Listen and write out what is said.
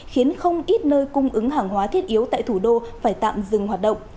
khiến không ít nơi cung ứng hàng hóa thiết yếu tại thủ đô phải tạm dừng hoạt động